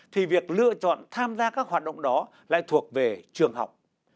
thì việc lựa chọn tham gia các hoạt động đó lại thuộc về trường học